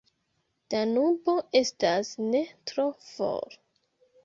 Danubo estas ne tro for.